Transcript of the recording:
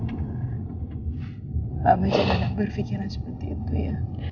mama jangan berpikiran seperti itu ya